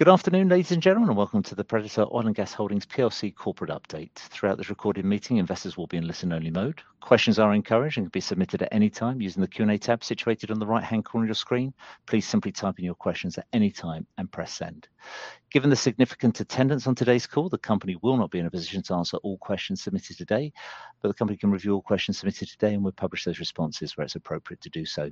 Good afternoon, ladies and gentlemen, and welcome to the Predator Oil & Gas Holdings Plc corporate update. Throughout this recorded meeting, investors will be in listen-only mode. Questions are encouraged and can be submitted at any time using the Q&A tab situated on the right-hand corner of your screen. Please simply type in your questions at any time and press send. Given the significant attendance on today's call, the company will not be in a position to answer all questions submitted today, but the company can review all questions submitted today, and we'll publish those responses where it's appropriate to do so.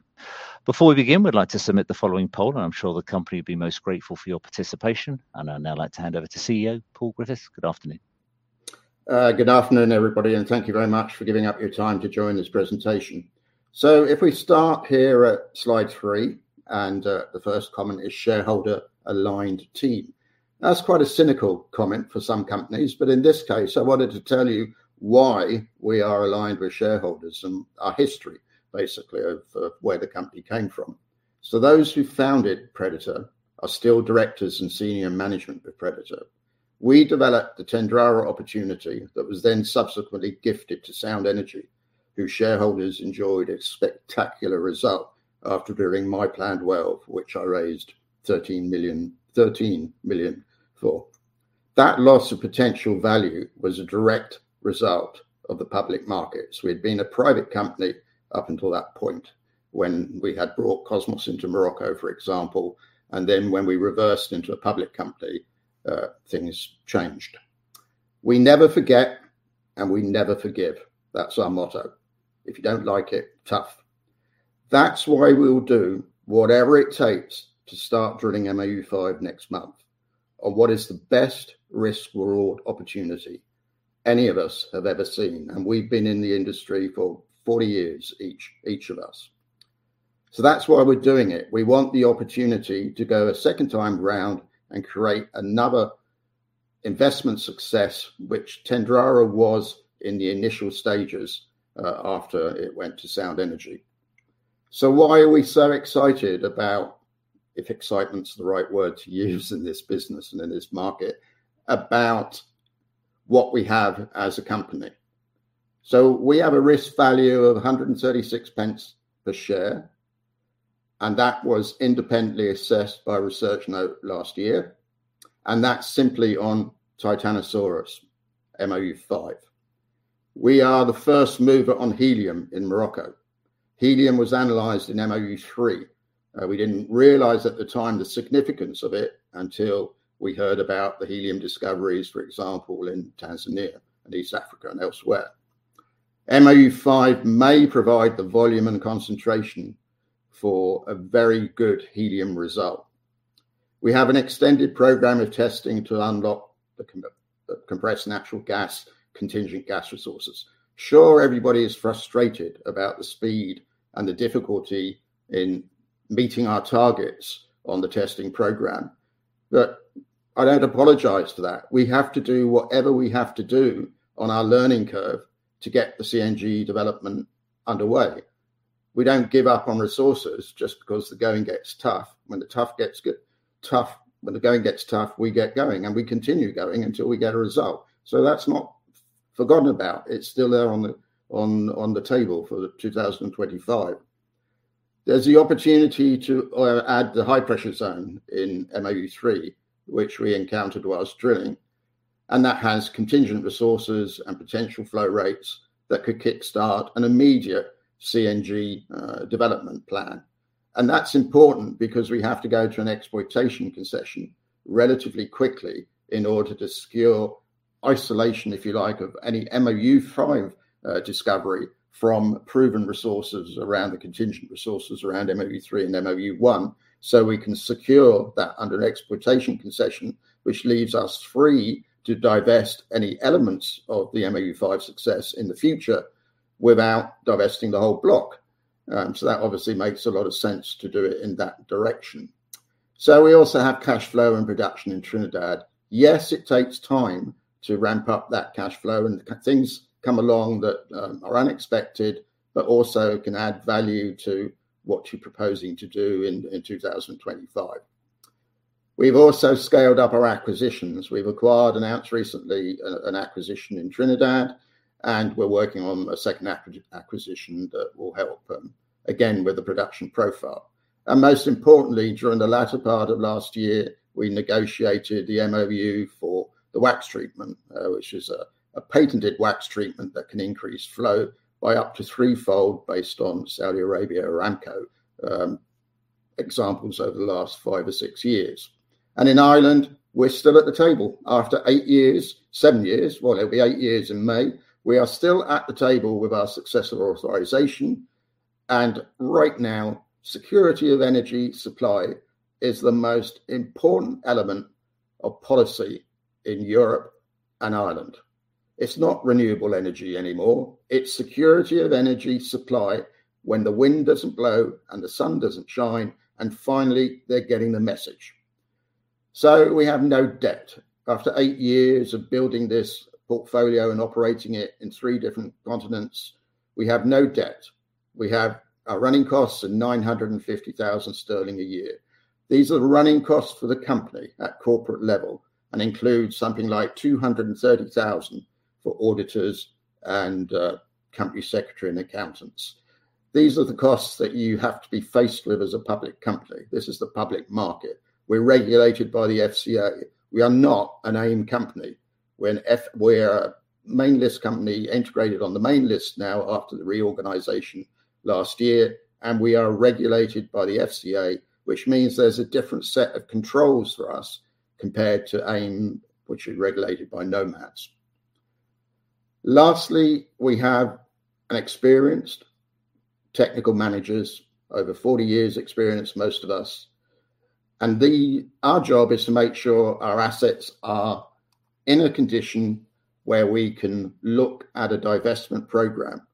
Before we begin, we'd like to submit the following poll, and I'm sure the company will be most grateful for your participation. I'd now like to hand over to CEO Paul Griffiths. Good afternoon. Good afternoon, everybody, and thank you very much for giving up your time to join this presentation. If we start here at slide 3, the first comment is shareholder-aligned team. That's quite a cynical comment for some companies, but in this case, I wanted to tell you why we are aligned with shareholders and our history basically of where the company came from. Those who founded Predator are still directors and senior management with Predator. We developed the Tendrara opportunity that was then subsequently gifted to Sound Energy, whose shareholders enjoyed a spectacular result after drilling my planned well, for which I raised 13 million for. That loss of potential value was a direct result of the public markets. We'd been a private company up until that point when we had brought Kosmos into Morocco, for example, and then when we reversed into a public company, things changed. We never forget, and we never forgive. That's our motto. If you don't like it, tough. That's why we'll do whatever it takes to start drilling MOU-5 next month on what is the best risk-reward opportunity any of us have ever seen, and we've been in the industry for 40 years each of us. That's why we're doing it. We want the opportunity to go a second time round and create another investment success, which Tendrara was in the initial stages, after it went to Sound Energy. Why are we so excited about, if excitement is the right word to use in this business and in this market, about what we have as a company? We have a risk value of 1.36 per share, and that was independently assessed by Research Tree last year, and that's simply on Titanosaurus, MOU-5. We are the first mover on helium in Morocco. Helium was analyzed in MOU-3. We didn't realize at the time the significance of it until we heard about the helium discoveries, for example, in Tanzania and East Africa and elsewhere. MOU-5 may provide the volume and concentration for a very good helium result. We have an extended program of testing to unlock the compressed natural gas contingent gas resources. Sure, everybody is frustrated about the speed and the difficulty in meeting our targets on the testing program. I don't apologize for that. We have to do whatever we have to do on our learning curve to get the CNG development underway. We don't give up on resources just because the going gets tough. When the going gets tough, we get going, and we continue going until we get a result. That's not forgotten about. It's still there on the table for 2025. There's the opportunity to add the high-pressure zone in MOU-3, which we encountered while drilling. That has contingent resources and potential flow rates that could kickstart an immediate CNG development plan. That's important because we have to go to an exploitation concession relatively quickly in order to secure isolation, if you like, of any MOU-5 discovery from proven resources around the contingent resources around MOU-3 and MOU-1, so we can secure that under an exploitation concession, which leaves us free to divest any elements of the MOU-5 success in the future without divesting the whole block. That obviously makes a lot of sense to do it in that direction. We also have cash flow and production in Trinidad. Yes, it takes time to ramp up that cash flow and things come along that are unexpected but also can add value to what you're proposing to do in 2025. We've also scaled up our acquisitions. We've acquired, announced recently, an acquisition in Trinidad, and we're working on a second acquisition that will help them, again, with the production profile. Most importantly, during the latter part of last year, we negotiated the MOU for the wax treatment, which is a patented wax treatment that can increase flow by up to threefold based on Saudi Aramco examples over the last five or six years. In Ireland, we're still at the table after eight years, seven years. Well, it'll be eight years in May. We are still at the table with our successor authorisation. Right now, security of energy supply is the most important element of policy in Europe and Ireland. It's not renewable energy anymore. It's security of energy supply when the wind doesn't blow and the sun doesn't shine, and finally, they're getting the message. We have no debt. After eight years of building this portfolio and operating it in three different continents, we have no debt. We have our running costs at 950,000 sterling a year. These are the running costs for the company at corporate level and include something like 230,000 for auditors and company secretary and accountants. These are the costs that you have to be faced with as a public company. This is the public market. We're regulated by the FCA. We are not an AIM company. We're a main list company integrated on the main list now after the reorganization last year, and we are regulated by the FCA, which means there's a different set of controls for us compared to AIM, which is regulated by NOMADs. Lastly, we have experienced technical managers, over 40 years experience, most of us. Our job is to make sure our assets are in a condition where we can look at a divestment program.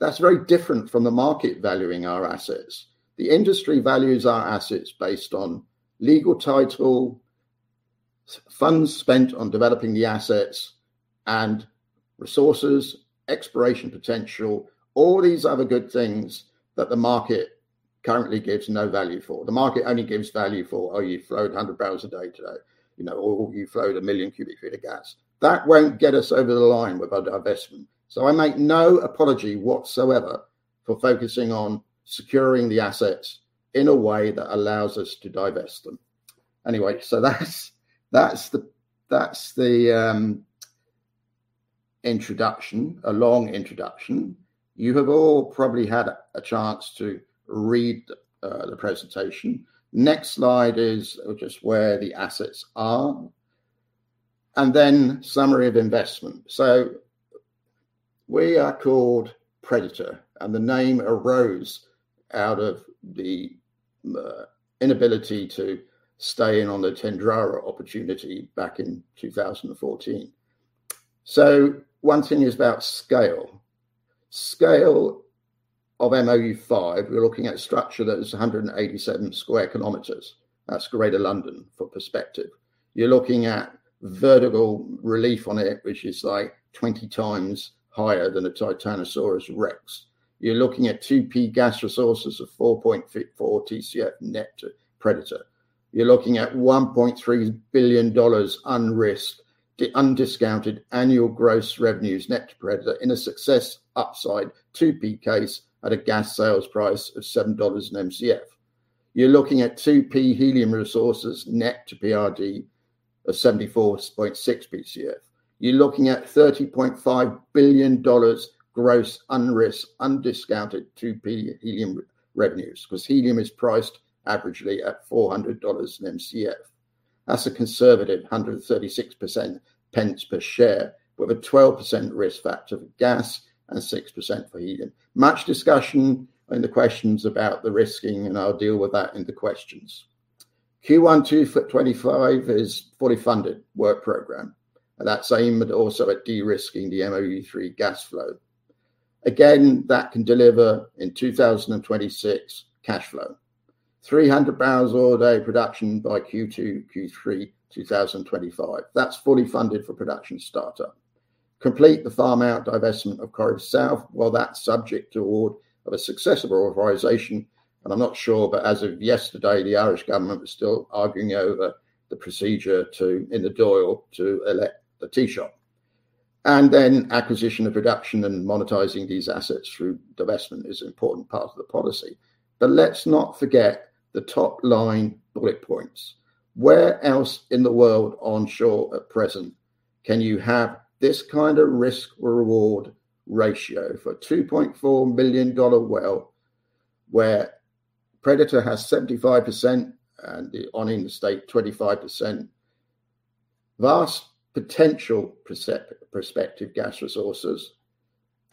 That's very different from the market valuing our assets. The industry values our assets based on legal title, funds spent on developing the assets and resources, exploration potential, all these other good things that the market currently gives no value for. The market only gives value for, "Oh, you flowed 100 barrels a day today," you know, or, "You flowed a million cubic feet of gas." That won't get us over the line with our divestment. I make no apology whatsoever for focusing on securing the assets in a way that allows us to divest them. Anyway, that's the introduction. A long introduction. You have all probably had a chance to read the presentation. Next slide is just where the assets are, and then summary of investment. We are called Predator, and the name arose out of the inability to stay in on the Tendrara opportunity back in 2014. One thing is about scale. Scale of MOU-5, we're looking at a structure that is 187 square kilometers. That's Greater London for perspective. You're looking at vertical relief on it, which is like 20 times higher than a Titanosaurus rex. You're looking at 2P gas resources of 4.4 TCF net to Predator. You're looking at $1.3 billion unrisked, the undiscounted annual gross revenues net to Predator in a success upside 2P case at a gas sales price of $7 an MCF. You're looking at 2P helium resources net to PRD of 74.6 BCF. You're looking at $30.5 billion gross unrisked, undiscounted 2P helium revenues, because helium is priced averagely at $400 an MCF. That's a conservative 136 pence per share with a 12% risk factor for gas and 6% for helium. Much discussion in the questions about the risking, and I'll deal with that in the questions. Q1 2025 is fully funded work program, and that's aimed also at de-risking the MOU-3 gas flow. Again, that can deliver in 2026 cash flow. 300 barrels oil a day production by Q2, Q3 2025. That's fully funded for production startup. Complete the farm out divestment of Corrib South. Well, that's subject to award of a successor authorisation, and I'm not sure, but as of yesterday, the Irish government was still arguing over the procedure to, in the Dáil, to elect the Taoiseach. Acquisition of production and monetizing these assets through divestment is an important part of the policy. Let's not forget the top-line bullet points. Where else in the world onshore at present can you have this kind of risk-reward ratio for a $2.4 billion well where Predator has 75% and the ONHYM state 25%? Vast potential prospective gas resources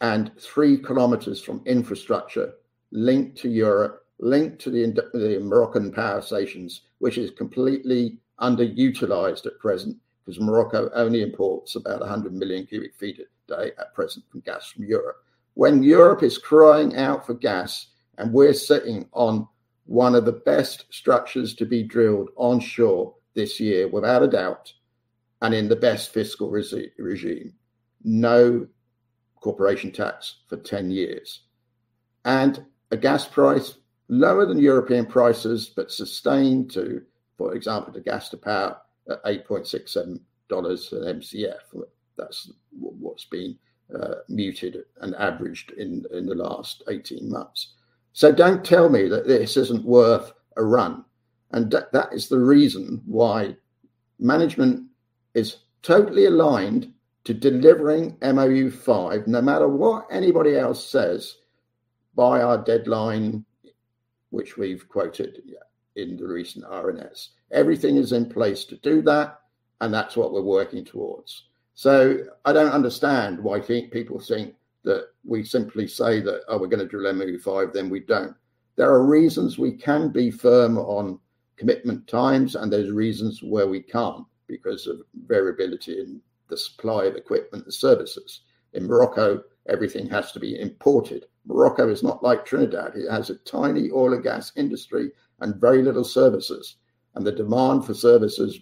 and 3 km from infrastructure linked to Europe, linked to the Moroccan power stations, which is completely underutilized at present because Morocco only imports about 100 million cubic feet a day at present from gas from Europe. When Europe is crying out for gas and we're sitting on one of the best structures to be drilled onshore this year, without a doubt, and in the best fiscal regime, no corporation tax for 10 years. A gas price lower than European prices, but sustained to, for example, the gas to power at $8.67 an MCF. That's what's been mooted and averaged in the last 18 months. Don't tell me that this isn't worth a run, and that is the reason why management is totally aligned to delivering MOU-5, no matter what anybody else says, by our deadline, which we've quoted in the recent RNS. Everything is in place to do that, and that's what we're working towards. I don't understand why people think that we simply say that, "Oh, we're gonna drill MOU-5," then we don't. There are reasons we can be firm on commitment times, and there's reasons where we can't because of variability in the supply of equipment and services. In Morocco, everything has to be imported. Morocco is not like Trinidad. It has a tiny oil and gas industry and very little services, and the demand for services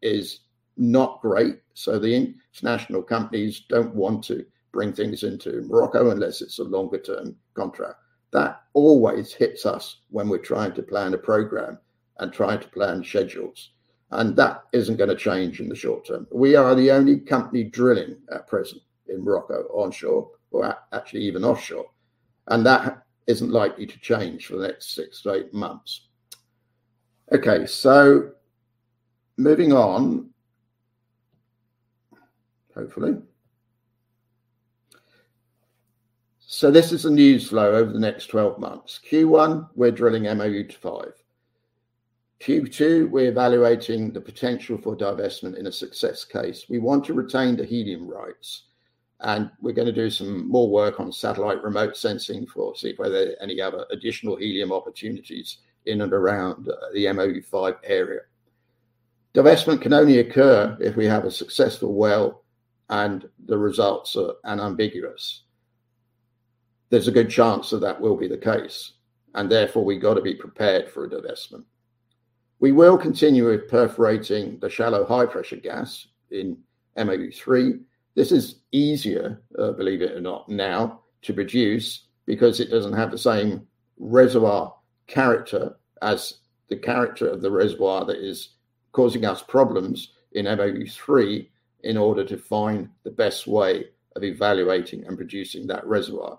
is not great. The international companies don't want to bring things into Morocco unless it's a longer-term contract. That always hits us when we're trying to plan a program and trying to plan schedules, and that isn't gonna change in the short term. We are the only company drilling at present in Morocco onshore or actually even offshore, and that isn't likely to change for the next 6 to 8 months. Okay, moving on, hopefully. This is the news flow over the next 12 months. Q1, we're drilling MOU-5. Q2, we're evaluating the potential for divestment in a success case. We want to retain the helium rights, and we're gonna do some more work on satellite remote sensing to see if there are any other additional helium opportunities in and around the MOU-5 area. Divestment can only occur if we have a successful well and the results are unambiguous. There's a good chance that will be the case, and therefore, we've got to be prepared for a divestment. We will continue with perforating the shallow high-pressure gas in MOU-3. This is easier, believe it or not, now to produce because it doesn't have the same reservoir character as the character of the reservoir that is causing us problems in MOU-3 in order to find the best way of evaluating and producing that reservoir.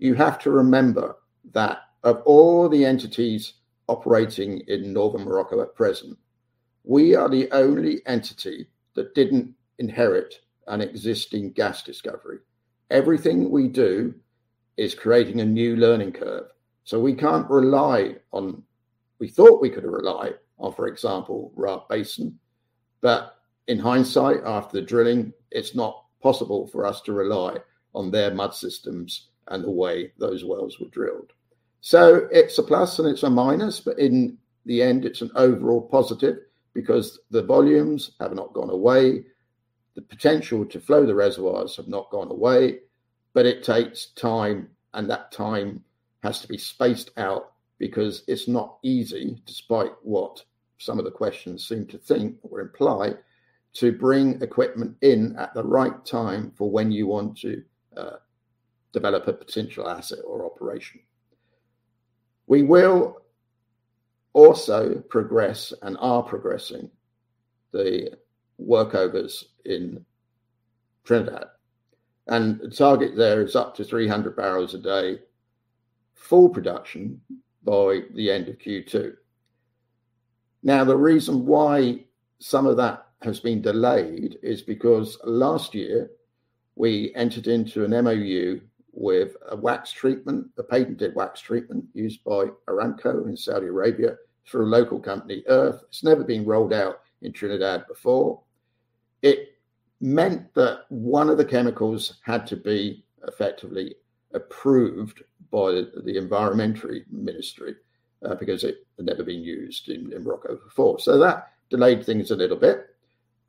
You have to remember that of all the entities operating in northern Morocco at present, we are the only entity that didn't inherit an existing gas discovery. Everything we do is creating a new learning curve. We can't rely on. We thought we could rely on, for example, Rharb Basin, but in hindsight, after the drilling, it's not possible for us to rely on their mud systems and the way those wells were drilled. It's a plus and it's a minus, but in the end it's an overall positive because the volumes have not gone away. The potential to flow the reservoirs have not gone away, but it takes time, and that time has to be spaced out because it's not easy, despite what some of the questions seem to think or imply, to bring equipment in at the right time for when you want to develop a potential asset or operation. We will also progress and are progressing the workovers in Trinidad, and the target there is up to 300 barrels a day, full production by the end of Q2. Now, the reason why some of that has been delayed is because last year we entered into an MOU with a wax treatment, a patented wax treatment used by Aramco in Saudi Arabia through a local company, Earth. It's never been rolled out in Trinidad before. It meant that one of the chemicals had to be effectively approved by the Environment Ministry because it had never been used in Morocco before. That delayed things a little bit.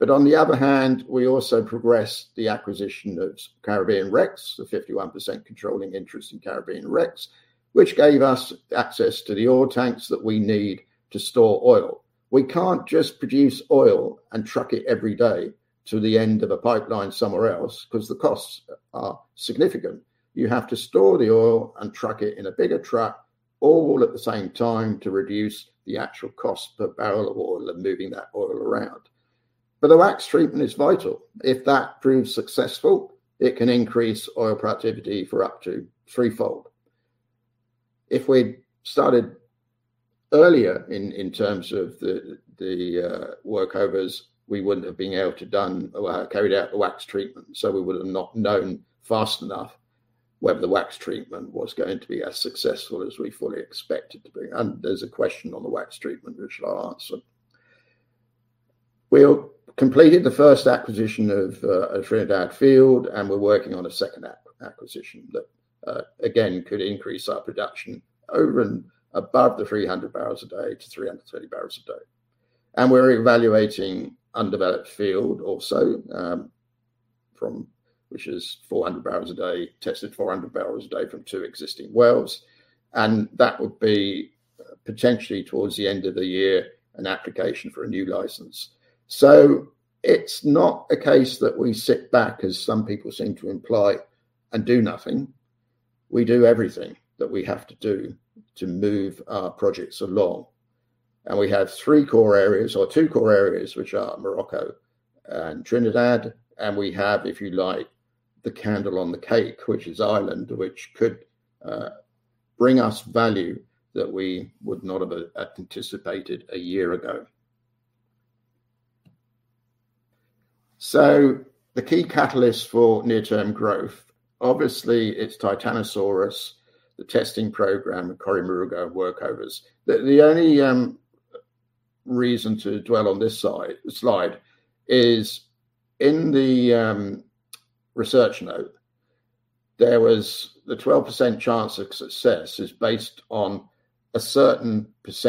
On the other hand, we also progressed the acquisition of Caribbean Rex, the 51% controlling interest in Caribbean Rex, which gave us access to the oil tanks that we need to store oil. We can't just produce oil and truck it every day to the end of a pipeline somewhere else because the costs are significant. You have to store the oil and truck it in a bigger truck all at the same time to reduce the actual cost per barrel of oil of moving that oil around. The wax treatment is vital. If that proves successful, it can increase oil productivity for up to threefold. If we'd started earlier in terms of the workovers, we wouldn't have been able to carried out the wax treatment. We would have not known fast enough whether the wax treatment was going to be as successful as we fully expected to be. There's a question on the wax treatment which I'll answer. We completed the first acquisition of Trinidad field, and we're working on a second acquisition that again could increase our production over and above the 300 barrels a day to 330 barrels a day. We're evaluating undeveloped field also, which is 400 barrels a day, tested 400 barrels a day from two existing wells. That would be potentially towards the end of the year, an application for a new license. It's not a case that we sit back, as some people seem to imply, and do nothing. We do everything that we have to do to move our projects along. We have three core areas or two core areas, which are Morocco and Trinidad. We have, if you like, the candle on the cake, which is Ireland, which could bring us value that we would not have anticipated a year ago. The key catalyst for near-term growth, obviously it's Titanosaurus, the testing program, and Cory Moruga workovers. The only reason to dwell on this slide is in the research note, there was the 12% chance of success is based on a certain gas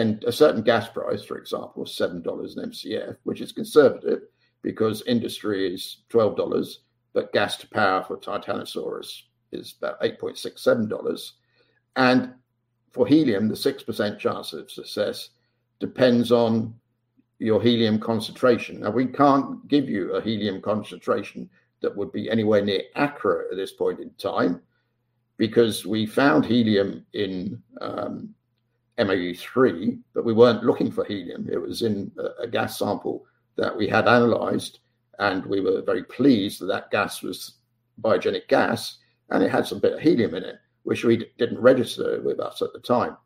price, for example, $7 per MCF, which is conservative because industry is $12, but gas to power for Titanosaurus is about $8.67. For helium, the 6% chance of success depends on your helium concentration. Now, we can't give you a helium concentration that would be anywhere near accurate at this point in time, because we found helium in MOU-3, but we weren't looking for helium. It was in a gas sample that we had analyzed, and we were very pleased that that gas was biogenic gas, and it had some bit of helium in it, which we didn't register with us at the time.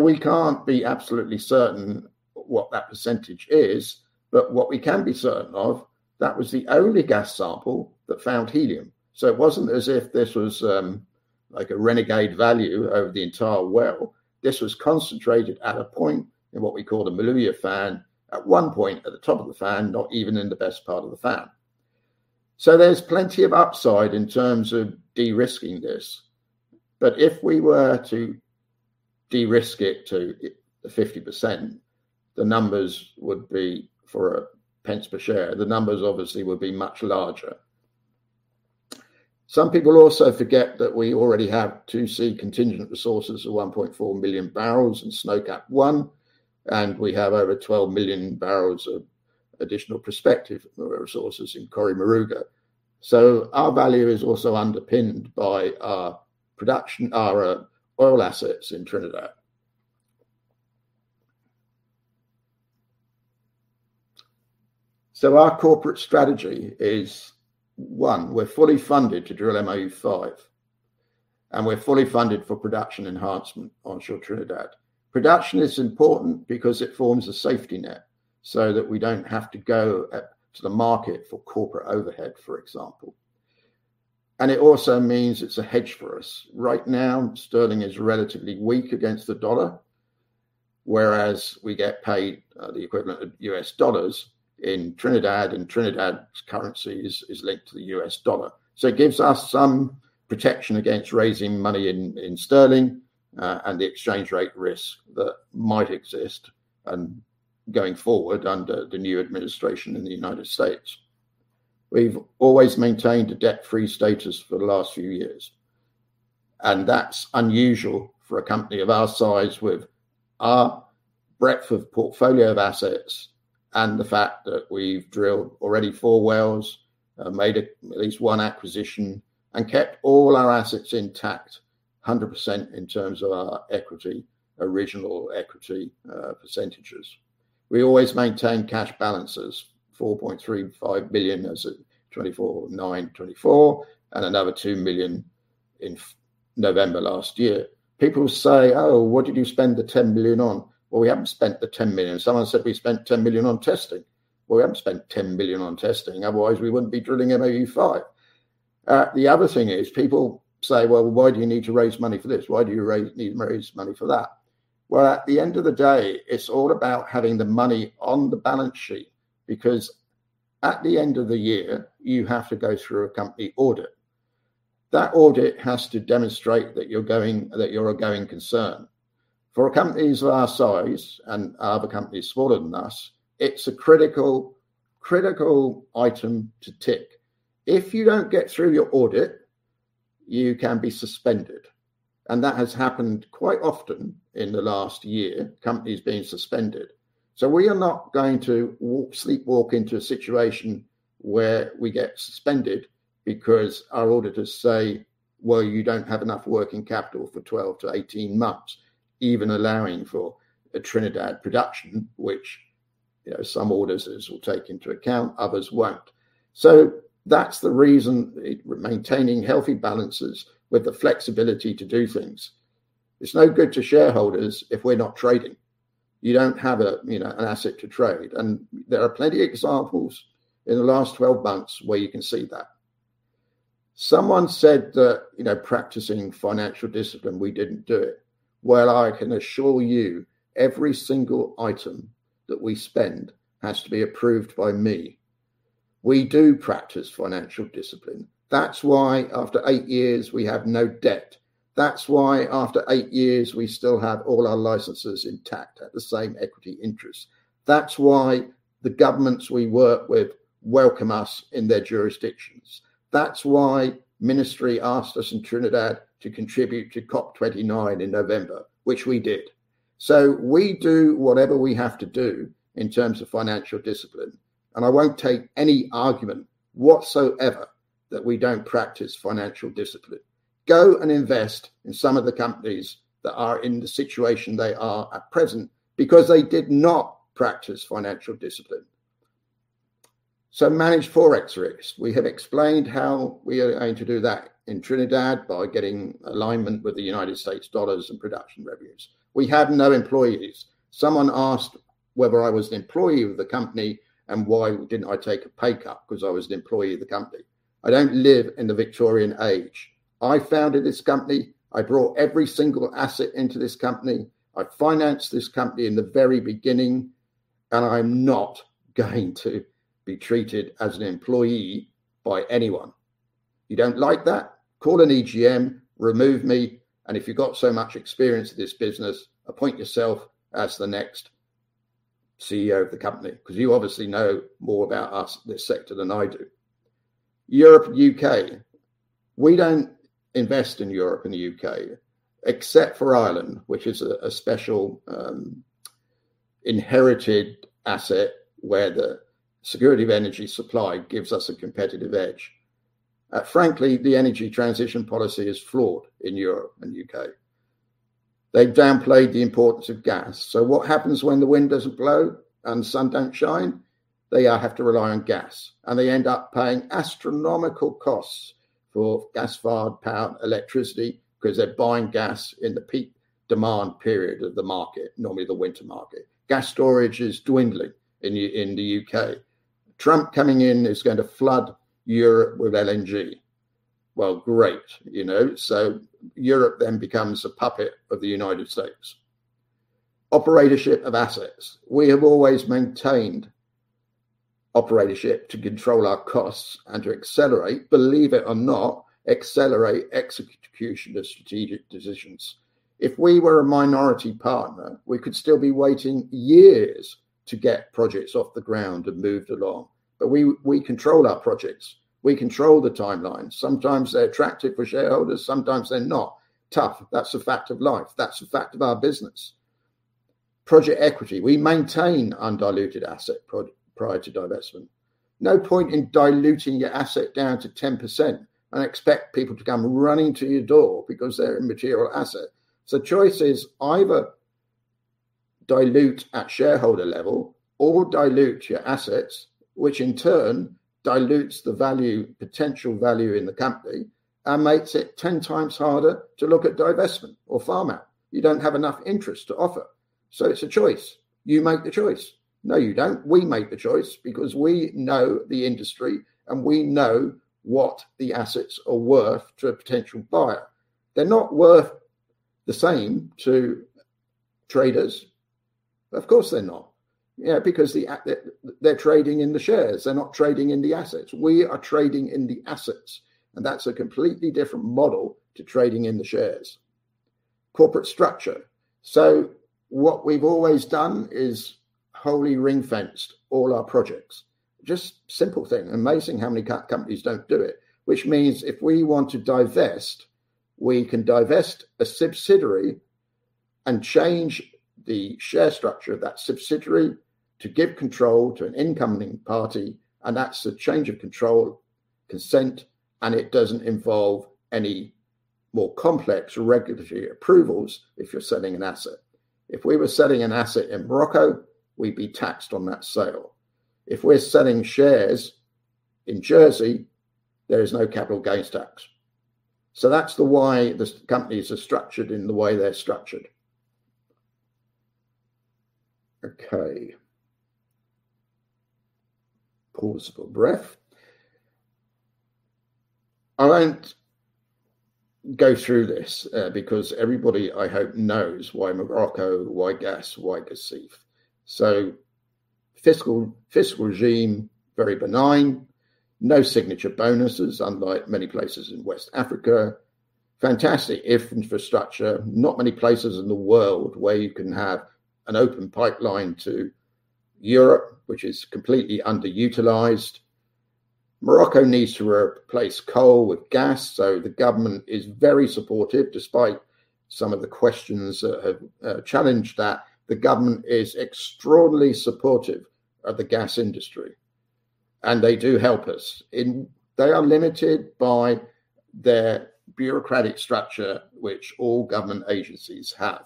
We can't be absolutely certain what that percentage is, but what we can be certain of, that was the only gas sample that found helium. It wasn't as if this was, like a renegade value over the entire well. This was concentrated at a point in what we call the Moulouya Fan, at one point at the top of the fan, not even in the best part of the fan. There's plenty of upside in terms of de-risking this. If we were to de-risk it to the 50%, the numbers would be for a pence per share. The numbers obviously would be much larger. Some people also forget that we already have 2C contingent resources of 1.4 million barrels in Snowcap-1, and we have over 12 million barrels of additional prospective resources in Cory Moruga. Our value is also underpinned by our production, our oil assets in Trinidad. Our corporate strategy is, one, we're fully funded to drill MOU-5, and we're fully funded for production enhancement onshore Trinidad. Production is important because it forms a safety net so that we don't have to go to the market for corporate overhead, for example. It also means it's a hedge for us. Right now, sterling is relatively weak against the dollar, whereas we get paid the equivalent of U.S. dollars in Trinidad, and Trinidad's currency is linked to the U.S. dollar. It gives us some protection against raising money in sterling and the exchange rate risk that might exist going forward under the new administration in the United States. We've always maintained a debt-free status for the last few years, and that's unusual for a company of our size with our breadth of portfolio of assets and the fact that we've drilled already four wells, made at least one acquisition and kept all our assets intact 100% in terms of our equity, original equity, percentages. We always maintain cash balances, 4.35 billion as at 24/9/2024, and another 2 million in November last year. People say, "Oh, what did you spend the 10 billion on?" Well, we haven't spent the 10 billion. Someone said we spent 10 billion on testing. Well, we haven't spent 10 billion on testing, otherwise we wouldn't be drilling MOU-5. The other thing is people say, "Well, why do you need to raise money for this? Why do you need to raise money for that?" Well, at the end of the day, it's all about having the money on the balance sheet, because at the end of the year, you have to go through a company audit. That audit has to demonstrate that you're a going concern. For a company of our size, and other companies smaller than us, it's a critical item to tick. If you don't get through your audit, you can be suspended, and that has happened quite often in the last year, companies being suspended. We are not going to sleepwalk into a situation where we get suspended because our auditors say, "Well, you don't have enough working capital for 12-18 months," even allowing for a Trinidad production, which, you know, some auditors will take into account, others won't. That's the reason we're maintaining healthy balances with the flexibility to do things. It's no good to shareholders if we're not trading. You don't have a, you know, an asset to trade. There are plenty examples in the last 12 months where you can see that. Someone said that, you know, practicing financial discipline, we didn't do it. Well, I can assure you every single item that we spend has to be approved by me. We do practice financial discipline. That's why after 8 years, we have no debt. That's why after 8 years, we still have all our licenses intact at the same equity interest. That's why the governments we work with welcome us in their jurisdictions. That's why the Ministry asked us in Trinidad to contribute to COP28 in November, which we did. We do whatever we have to do in terms of financial discipline, and I won't take any argument whatsoever that we don't practice financial discipline. Go and invest in some of the companies that are in the situation they are at present because they did not practice financial discipline. Managed Forex risk. We have explained how we are going to do that in Trinidad by getting alignment with the United States dollars and production revenues. We have no employees. Someone asked whether I was an employee of the company and why didn't I take a pay cut because I was an employee of the company. I don't live in the Victorian age. I founded this company. I brought every single asset into this company. I financed this company in the very beginning, and I'm not going to be treated as an employee by anyone. You don't like that? Call an EGM, remove me, and if you've got so much experience in this business, appoint yourself as the next CEO of the company because you obviously know more about us, this sector, than I do. Europe and U.K. We don't invest in Europe and the U.K. except for Ireland, which is a special inherited asset where the security of energy supply gives us a competitive edge. Frankly, the energy transition policy is flawed in Europe and U.K. They've downplayed the importance of gas. What happens when the wind doesn't blow and sun don't shine? They have to rely on gas, and they end up paying astronomical costs for gas-fired power electricity because they're buying gas in the peak demand period of the market, normally the winter market. Gas storage is dwindling in the U.K. Trump coming in is going to flood Europe with LNG. Well, great. You know? Europe then becomes a puppet of the United States. Operatorship of assets. We have always maintained operatorship to control our costs and to accelerate, believe it or not, accelerate execution of strategic decisions. If we were a minority partner, we could still be waiting years to get projects off the ground and moved along. We control our projects. We control the timeline. Sometimes they're attractive for shareholders, sometimes they're not. Tough. That's a fact of life. That's a fact of our business. Project equity. We maintain undiluted asset prior to divestment. No point in diluting your asset down to 10% and expect people to come running to your door because they're a material asset. Choice is either dilute at shareholder level or dilute your assets, which in turn dilutes the value, potential value in the company, and makes it 10 times harder to look at divestment or farm out. You don't have enough interest to offer. It's a choice. You make the choice. No, you don't. We make the choice because we know the industry, and we know what the assets are worth to a potential buyer. They're not worth the same to traders. Of course, they're not. Yeah, because they're trading in the shares. They're not trading in the assets. We are trading in the assets, and that's a completely different model to trading in the shares. Corporate structure. What we've always done is wholly ring-fenced all our projects. Just simple thing. Amazing how many companies don't do it. Which means if we want to divest, we can divest a subsidiary and change the share structure of that subsidiary to give control to an incoming party, and that's the change of control consent, and it doesn't involve any more complex regulatory approvals if you're selling an asset. If we were selling an asset in Morocco, we'd be taxed on that sale. If we're selling shares in Jersey, there is no capital gains tax. That's why the sub companies are structured in the way they're structured. Okay. Pause for breath. I won't go through this, because everybody, I hope, knows why Morocco, why gas, why Guercif. Fiscal regime, very benign. No signature bonuses, unlike many places in West Africa. Fantastic infrastructure. Not many places in the world where you can have an open pipeline to Europe, which is completely underutilized. Morocco needs to replace coal with gas, so the government is very supportive. Despite some of the questions that have challenged that, the government is extraordinarily supportive of the gas industry, and they do help us. They are limited by their bureaucratic structure which all government agencies have.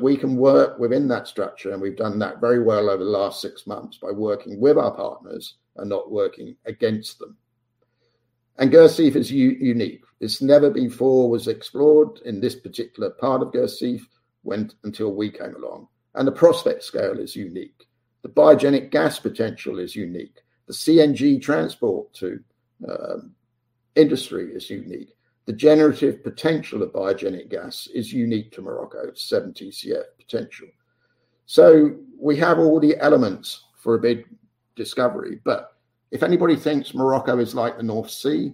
We can work within that structure, and we've done that very well over the last six months by working with our partners and not working against them. Guercif is unique. It's never before was explored in this particular part of Guercif until we came along, and the prospect scale is unique. The biogenic gas potential is unique. The CNG transport to industry is unique. The generative potential of biogenic gas is unique to Morocco, 70 TCF potential. We have all the elements for a big discovery. If anybody thinks Morocco is like the North Sea,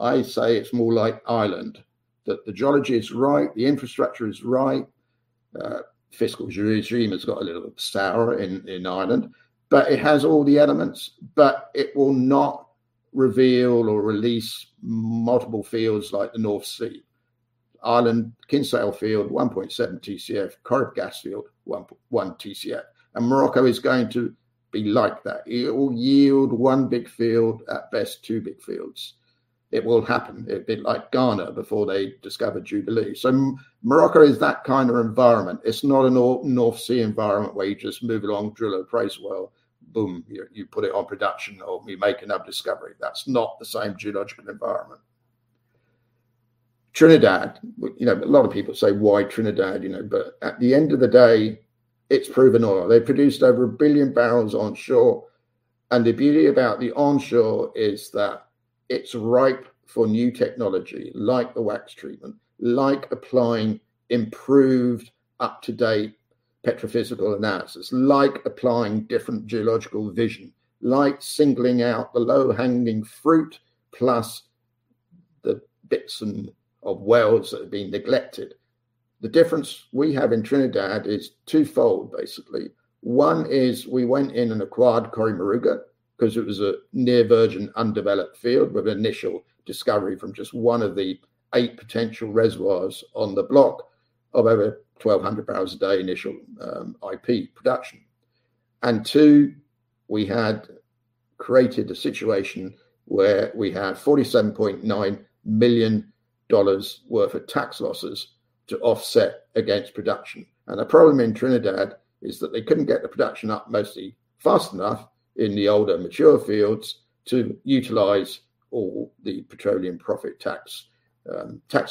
I say it's more like Ireland, that the geology is right, the infrastructure is right. Fiscal regime has got a little bit sour in Ireland, but it has all the elements, but it will not reveal or release multiple fields like the North Sea. Ireland, Kinsale Field, 1.7 TCF. Corrib Gas Field, 1.1 TCF. Morocco is going to be like that. It will yield one big field, at best two big fields. It will happen. A bit like Ghana before they discovered Jubilee. Morocco is that kind of environment. It's not a North Sea environment where you just move along, drill an appraisal well, boom, you put it on production or you make another discovery. That's not the same geological environment. Trinidad, you know, a lot of people say, "Why Trinidad?" You know? But at the end of the day, it's proven oil. They produced over 1 billion barrels onshore, and the beauty about the onshore is that it's ripe for new technology like the wax treatment, like applying improved up-to-date petrophysical analysis, like applying different geological vision, like singling out the low-hanging fruit plus the bits and bobs of wells that have been neglected. The difference we have in Trinidad is twofold, basically. One is we went in and acquired Cory Moruga because it was a near virgin undeveloped field with initial discovery from just one of the eight potential reservoirs on the block of over 1,200 barrels a day initial IP production. Two, we had created a situation where we had $47.9 million worth of tax losses to offset against production. The problem in Trinidad is that they couldn't get the production up mostly fast enough in the older mature fields to utilize all the petroleum profit tax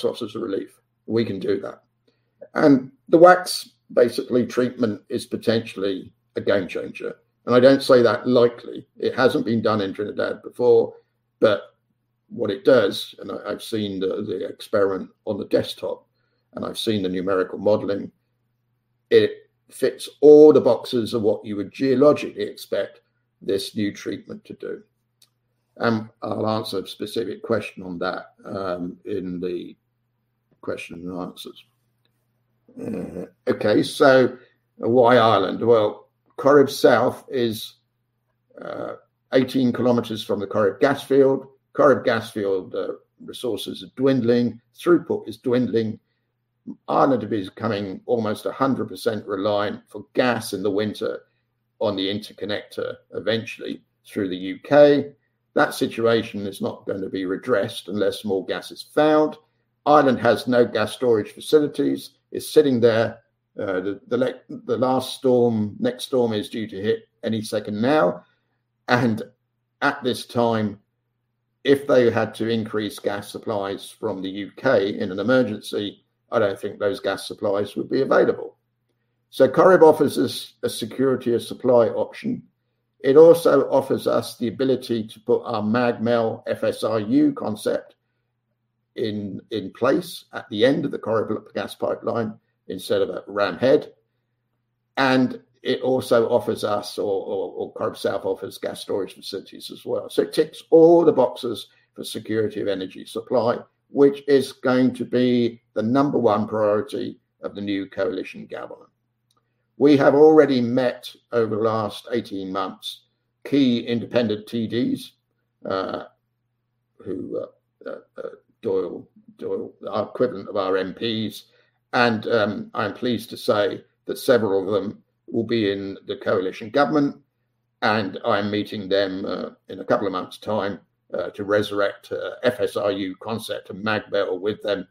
losses or relief. We can do that. The wax-based treatment is potentially a game changer. I don't say that lightly. It hasn't been done in Trinidad before. What it does, and I've seen the experiment on the desktop and I've seen the numerical modeling, it fits all the boxes of what you would geologically expect this new treatment to do. I'll answer a specific question on that in the question and answers. Okay, why Ireland? Well, Corrib South is 18 km from the Corrib Gas Field. Corrib Gas Field resources are dwindling. Throughput is dwindling. Ireland is becoming almost 100% reliant for gas in the winter on the interconnector eventually through the U.K. That situation is not going to be redressed unless more gas is found. Ireland has no gas storage facilities. It's sitting there. The last storm, next storm is due to hit any second now. At this time, if they had to increase gas supplies from the U.K. in an emergency, I don't think those gas supplies would be available. Corrib offers us a security of supply option. It also offers us the ability to put our Mag Mell FSRU concept in place at the end of the Corrib gas pipeline instead of a Ram Head. It also offers us, or Corrib South offers gas storage facilities as well. It ticks all the boxes for security of energy supply, which is going to be the number one priority of the new coalition government. We have already met over the last 18 months key independent TDs who are the equivalent of our MPs. I'm pleased to say that several of them will be in the coalition government. I'm meeting them in a couple of months' time to resurrect FSRU concept and Mag Mell with them,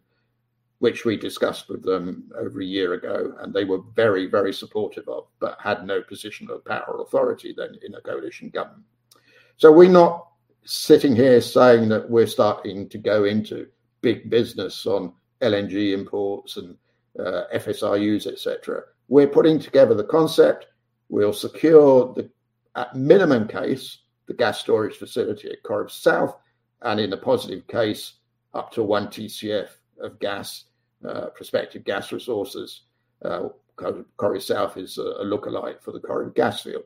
which we discussed with them over a year ago. They were very, very supportive of, but had no position of power or authority then in a coalition government. We're not sitting here saying that we're starting to go into big business on LNG imports and FSRUs, et cetera. We're putting together the concept. We'll secure the minimum case, the gas storage facility at Corrib South, and in the positive case, up to 1 TCF of gas, prospective gas resources. Corrib South is a lookalike for the Corrib gas field.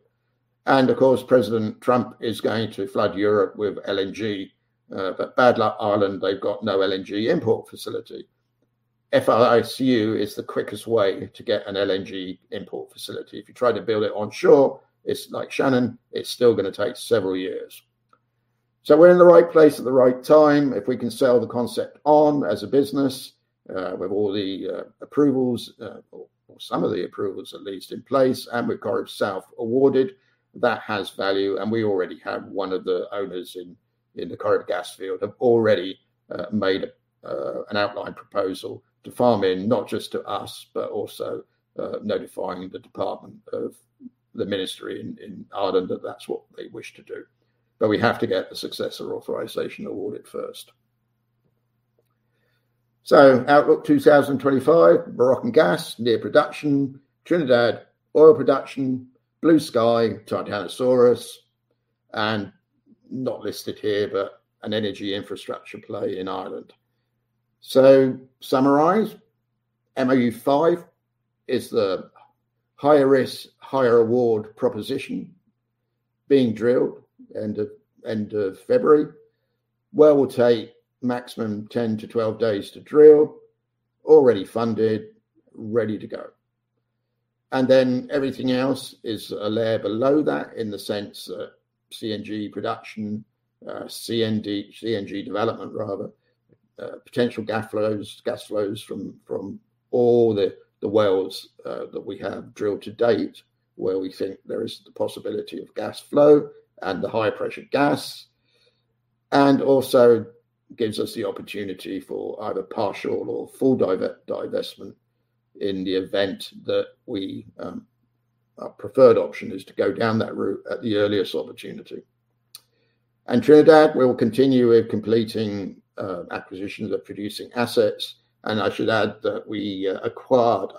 Of course, President Trump is going to flood Europe with LNG. Bad luck, Ireland, they've got no LNG import facility. FSRU is the quickest way to get an LNG import facility. If you try to build it onshore, it's like Shannon, it's still going to take several years. We're in the right place at the right time. If we can sell the concept on as a business with all the approvals, or some of the approvals at least in place, and with Corrib South awarded, that has value. We already have one of the owners in the Corrib gas field have already made an outline proposal to farm in, not just to us, but also notifying the Department of the Ministry in Ireland that that's what they wish to do. We have to get the Successor Authorisation awarded first. Outlook 2025, Moroccan gas, near production, Trinidad oil production, Blue Sky, Titanosaurus, and not listed here, but an energy infrastructure play in Ireland. To summarize, MOU-5 is the higher risk, higher reward proposition being drilled end of February. Well will take maximum 10-12 days to drill, already funded, ready to go. Then everything else is a layer below that in the sense that CNG production, CNG development rather, potential gas flows from all the wells that we have drilled to date, where we think there is the possibility of gas flow and the high-pressure gas. Also gives us the opportunity for either partial or full divestment in the event that we, our preferred option is to go down that route at the earliest opportunity. Trinidad, we will continue with completing acquisitions of producing assets. I should add that we acquired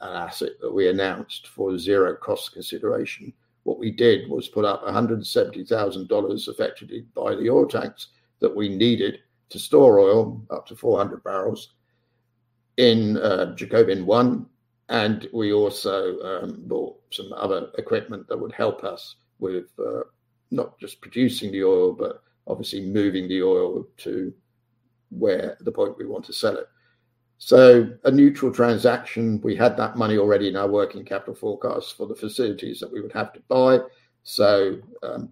an asset that we announced for zero cost consideration. What we did was put up $170,000 effectively by the oil tax that we needed to store oil up to 400 barrels in Jacobin-1. We also bought some other equipment that would help us with not just producing the oil, but obviously moving the oil to where the point we want to sell it. A neutral transaction, we had that money already in our working capital forecast for the facilities that we would have to buy.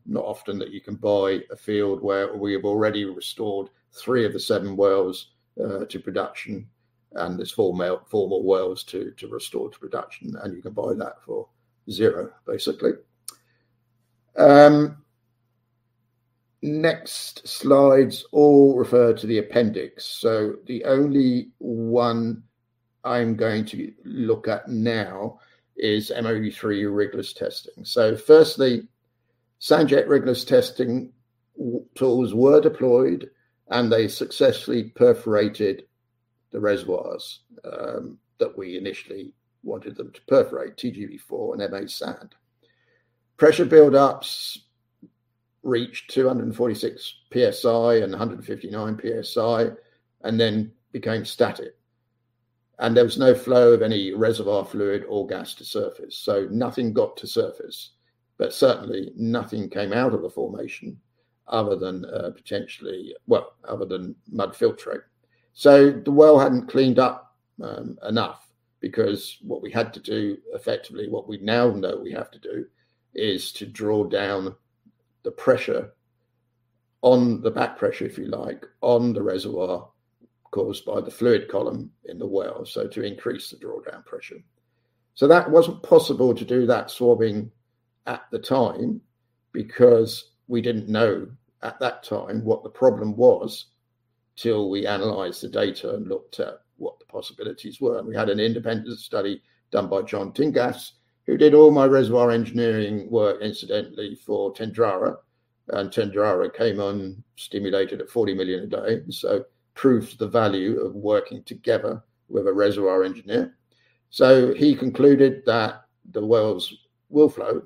Not often that you can buy a field where we have already restored three of the seven wells to production, and there's four more wells to restore to production, and you can buy that for zero, basically. Next slides all refer to the appendix. The only one I'm going to look at now is MOU-3 rigorous testing. Firstly, SandJet rigorous testing with tools were deployed, and they successfully perforated the reservoirs that we initially wanted them to perforate, TGB-4 and Ma Sand. Pressure buildups reached 246 psi and 159 psi, and then became static. There was no flow of any reservoir fluid or gas to surface. Nothing got to surface. But certainly nothing came out of the formation other than mud filtering. The well hadn't cleaned up enough because what we had to do, effectively what we now know we have to do, is to draw down the pressure on the back pressure, if you like, on the reservoir caused by the fluid column in the well, so to increase the drawdown pressure. That wasn't possible to do that swabbing at the time because we didn't know at that time what the problem was till we analyzed the data and looked at what the possibilities were. We had an independent study done by John Tingas, who did all my reservoir engineering work incidentally for Tendrara, and Tendrara came on stimulated at 40 million a day. Proved the value of working together with a reservoir engineer. He concluded that the wells will flow,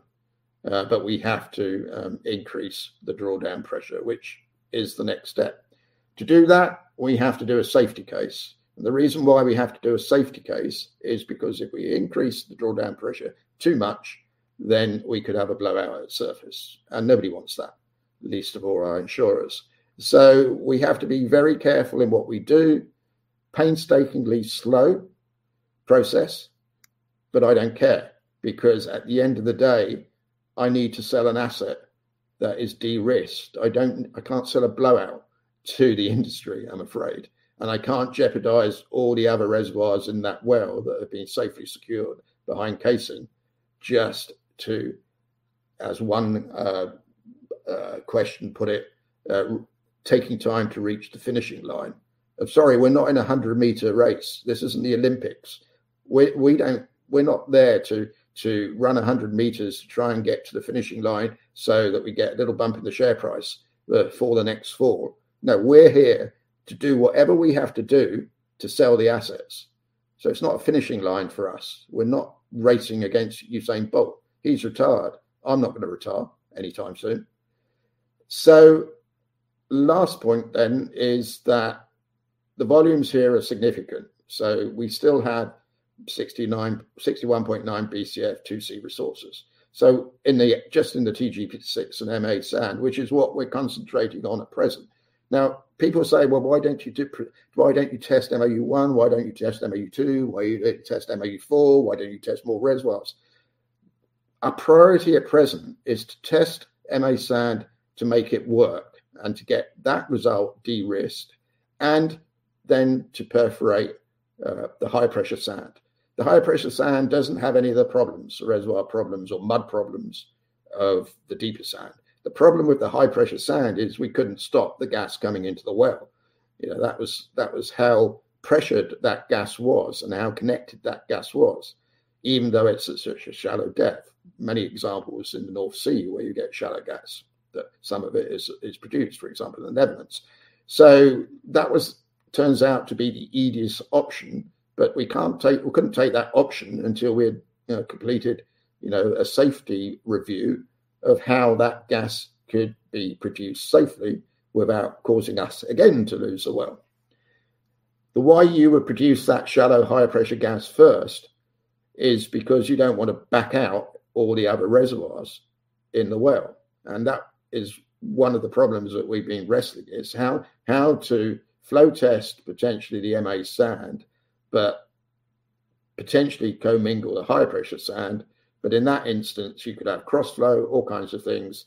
but we have to increase the drawdown pressure, which is the next step. To do that, we have to do a safety case. The reason why we have to do a safety case is because if we increase the drawdown pressure too much, then we could have a blowout at surface, and nobody wants that, least of all our insurers. We have to be very careful in what we do, painstakingly slow process, but I don't care because at the end of the day, I need to sell an asset that is de-risked. I can't sell a blowout to the industry, I'm afraid. I can't jeopardize all the other reservoirs in that well that have been safely secured behind casing just to, as one question put it, taking time to reach the finishing line. Sorry, we're not in a 100-meter race. This isn't the Olympics. We're not there to run 100 meters to try and get to the finishing line so that we get a little bump in the share price for the next fall. No, we're here to do whatever we have to do to sell the assets. It's not a finishing line for us. We're not racing against Usain Bolt. He's retired. I'm not gonna retire anytime soon. Last point then is that the volumes here are significant. We still have 61.9 BCF 2C resources. Just in the TGB-6 and Ma Sand, which is what we're concentrating on at present. Now, people say, "Well, why don't you test MOU-1? Why don't you test MOU-2? Why don't you test MOU-4? Why don't you test more reservoirs?" Our priority at present is to test Ma Sand to make it work and to get that result de-risked, and then to perforate the high-pressure sand. The high-pressure sand doesn't have any of the problems, reservoir problems or mud problems of the deeper sand. The problem with the high-pressure sand is we couldn't stop the gas coming into the well. You know, that was how pressured that gas was and how connected that gas was, even though it's at such a shallow depth. Many examples in the North Sea where you get shallow gas, that some of it is produced, for example, in the Netherlands. That turns out to be the easiest option, but we couldn't take that option until we had, you know, completed, you know, a safety review of how that gas could be produced safely without causing us again to lose a well. The why you would produce that shallow high-pressure gas first is because you don't wanna back out all the other reservoirs in the well, and that is one of the problems that we've been wrestling is how to flow test potentially the Ma Sand, but potentially co-mingle the high-pressure sand. In that instance, you could have cross-flow, all kinds of things.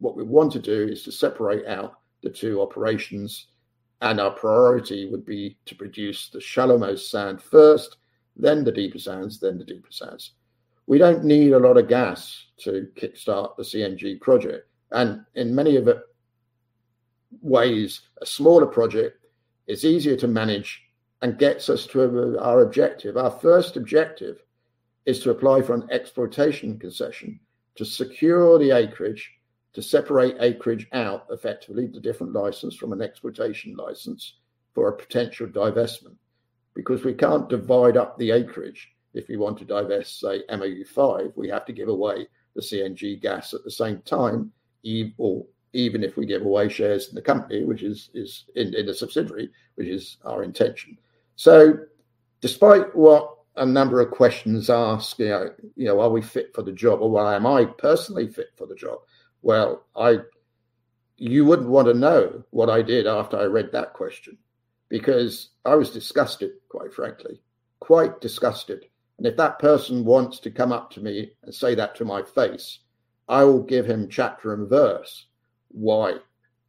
What we want to do is to separate out the two operations, and our priority would be to produce the shallow most sand first, then the deeper sands. We don't need a lot of gas to kickstart the CNG project. In many ways, a smaller project is easier to manage and gets us to our objective. Our first objective is to apply for an exploitation concession to secure the acreage, to separate acreage out, effectively the different license from an exploitation license, for a potential divestment. Because we can't divide up the acreage if we want to divest, say, MOU-5. We have to give away the CNG gas at the same time, or even if we give away shares in the company, which is in a subsidiary, which is our intention. Despite what a number of questions ask, you know, are we fit for the job or why am I personally fit for the job? Well, you wouldn't want to know what I did after I read that question because I was disgusted, quite frankly, quite disgusted. If that person wants to come up to me and say that to my face, I will give him chapter and verse why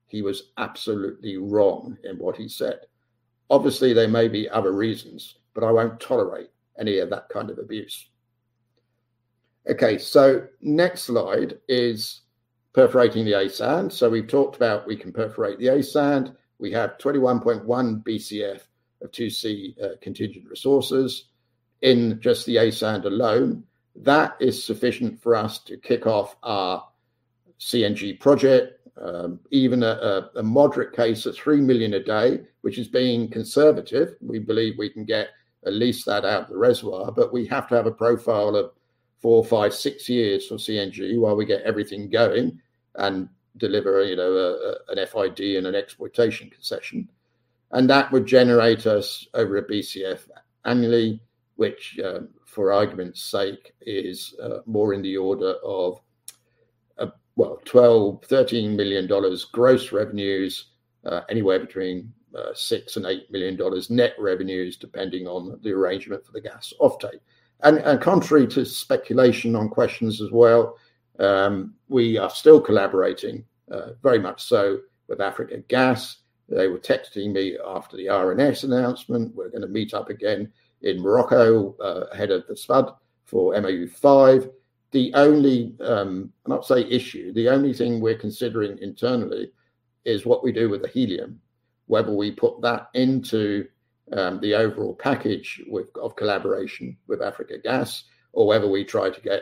he was absolutely wrong in what he said. Obviously, there may be other reasons, but I won't tolerate any of that kind of abuse. Okay. Next slide is perforating the A Sand. We've talked about we can perforate the A Sand. We have 21.1 BCF of 2C contingent resources in just the A Sand alone. That is sufficient for us to kick off our CNG project. Even a moderate case of 3 million a day, which is being conservative. We believe we can get at least that out of the reservoir, but we have to have a profile of 4, 5, 6 years for CNG while we get everything going and deliver, you know, an FID and an exploitation concession. That would generate us over a BCF annually, which for argument's sake is more in the order of, well, $12 million-$13 million gross revenues, anywhere between $6 million and $8 million net revenues, depending on the arrangement for the gas offtake. Contrary to speculation on questions as well, we are still collaborating very much so with Afriquia Gaz. They were texting me after the RNS announcement. We're going to meet up again in Morocco ahead of the SPUD for MOU-5. The only, I'll say issue, the only thing we're considering internally is what we do with the helium, whether we put that into the overall package of collaboration with Afriquia Gaz or whether we try to get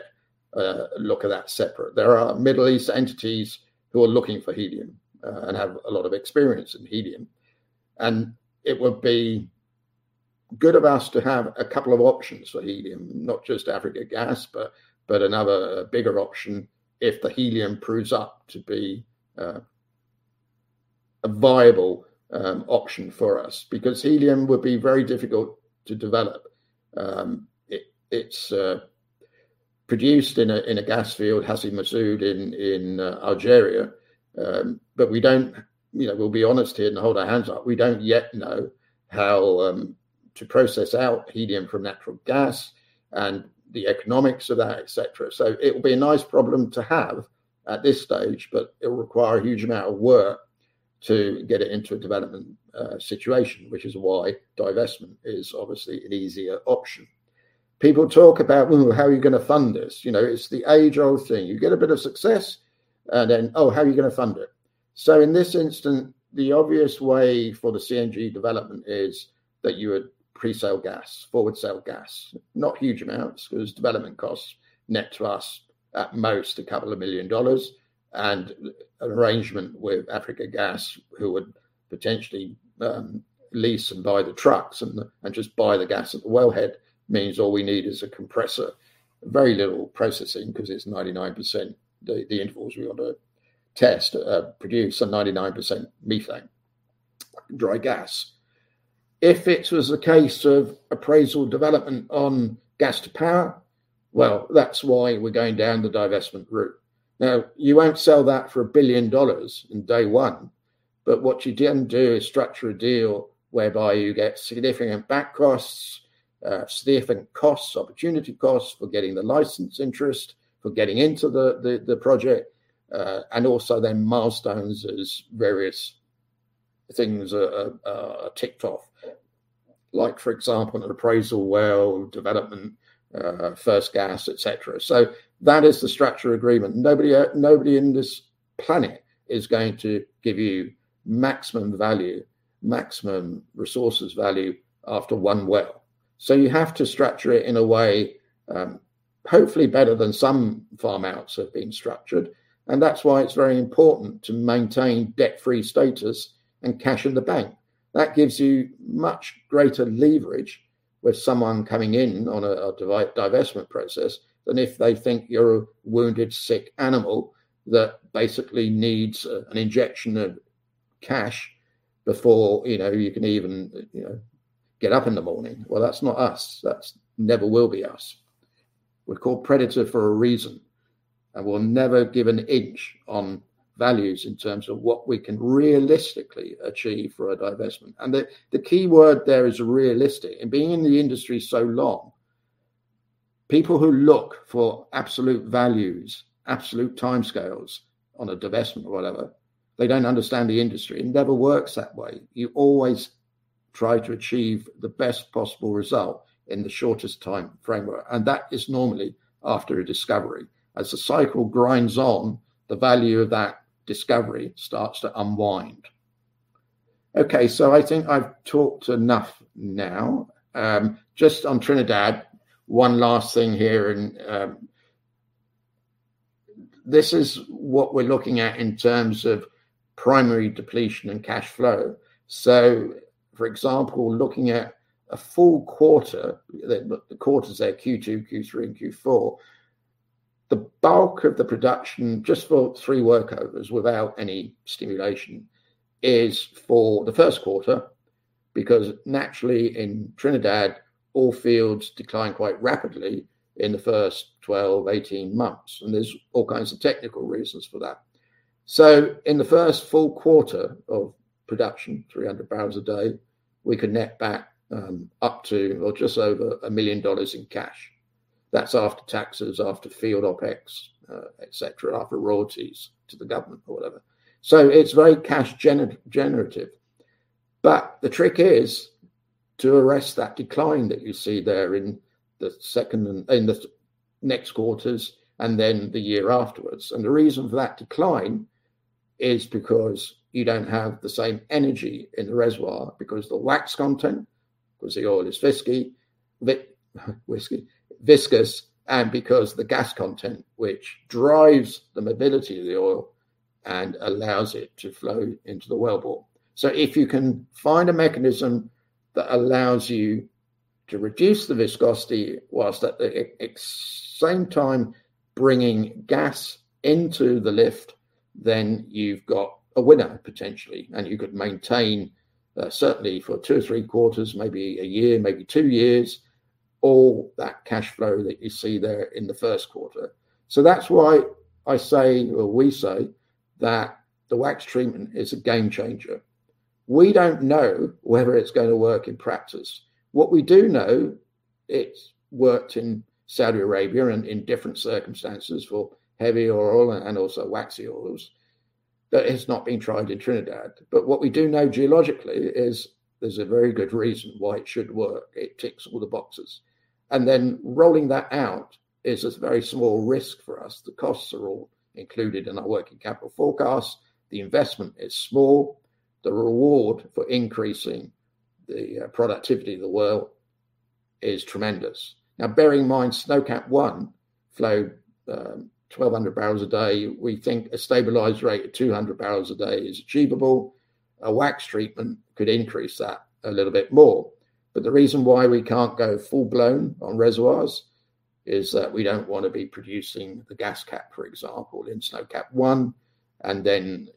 a look at that separate. There are Middle East entities who are looking for helium and have a lot of experience in helium. It would be good of us to have a couple of options for helium, not just Afriquia Gaz, but another bigger option if the helium proves up to be a viable option for us, because helium would be very difficult to develop. It's produced in a gas field, Hassi Messaoud in Algeria. We don't, you know, we'll be honest here and hold our hands up. We don't yet know how to process out helium from natural gas and the economics of that, et cetera. It will be a nice problem to have at this stage, but it will require a huge amount of work to get it into a development situation, which is why divestment is obviously an easier option. People talk about, well, how are you going to fund this? You know, it's the age-old thing. You get a bit of success and then, oh, how are you going to fund it? In this instance, the obvious way for the CNG development is that you would pre-sell gas, forward sell gas, not huge amounts because development costs net to us at most $2 million. An arrangement with Afriquia Gaz, who would potentially lease and buy the trucks and just buy the gas at the wellhead means all we need is a compressor, very little processing because it's 99%, the intervals we want to test produce are 99% methane, dry gas. If it was a case of appraisal development on gas to power, well, that's why we're going down the divestment route. Now, you won't sell that for $1 billion in day one, but what you then do is structure a deal whereby you get significant back costs, significant costs, opportunity costs for getting the license interest, for getting into the project, and also then milestones as various things are ticked off. Like, for example, an appraisal well, development, first gas, et cetera. That is the structure agreement. Nobody in this planet is going to give you maximum value, maximum resources value after one well. You have to structure it in a way, hopefully better than some farm-outs have been structured. That's why it's very important to maintain debt-free status and cash in the bank. That gives you much greater leverage with someone coming in on a divestment process than if they think you're a wounded, sick animal that basically needs an injection of cash before, you know, you can even, you know, get up in the morning. Well, that's not us. That never will be us. We're called Predator for a reason. We'll never give an inch on values in terms of what we can realistically achieve for a divestment. The key word there is realistic. Being in the industry so long, people who look for absolute values, absolute timescales on a divestment or whatever, they don't understand the industry. It never works that way. You always try to achieve the best possible result in the shortest time framework. That is normally after a discovery. As the cycle grinds on, the value of that discovery starts to unwind. Okay. I think I've talked enough now. Just on Trinidad, one last thing here. This is what we're looking at in terms of primary depletion and cash flow. For example, looking at a full quarter, the quarters there, Q2, Q3, and Q4. The bulk of the production just for 3 workovers without any stimulation is for the first quarter because naturally in Trinidad all fields decline quite rapidly in the first 12, 18 months, and there's all kinds of technical reasons for that. In the first full quarter of production, 300 barrels a day, we can net back up to or just over $1 million in cash. That's after taxes, after field OpEx, et cetera, after royalties to the government or whatever. It's very cash generative. The trick is to arrest that decline that you see there in the second and in the next quarters, and then the year afterwards. The reason for that decline is because you don't have the same energy in the reservoir because the wax content, because the oil is waxy, viscous, and because the gas content which drives the mobility of the oil and allows it to flow into the wellbore. If you can find a mechanism that allows you to reduce the viscosity whilst at the same time bringing gas into the lift, then you've got a winner potentially, and you could maintain certainly for two or three quarters, maybe a year, maybe two years, all that cash flow that you see there in the first quarter. That's why I say or we say that the wax treatment is a game changer. We don't know whether it's gonna work in practice. What we do know, it's worked in Saudi Arabia and in different circumstances for heavy oil and also waxy oils, but it's not been tried in Trinidad. What we do know geologically is there's a very good reason why it should work. It ticks all the boxes. Then rolling that out is a very small risk for us. The costs are all included in our working capital forecast. The investment is small. The reward for increasing the productivity of the well is tremendous. Now bearing in mind Snowcap-1 flowed 1,200 barrels a day. We think a stabilized rate of 200 barrels a day is achievable. A wax treatment could increase that a little bit more. The reason why we can't go full-blown on reservoirs is that we don't wanna be producing the gas cap, for example, in Snowcap-1, and then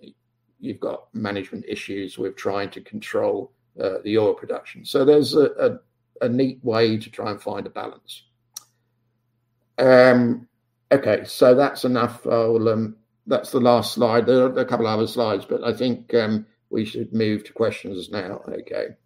you've got management issues with trying to control the oil production. There's a neat way to try and find a balance. That's enough. That's the last slide. There are a couple of other slides, but I think we should move to questions now. Okay.